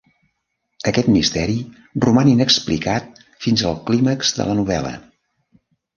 Aquest misteri roman inexplicat fins el clímax de la novel·la.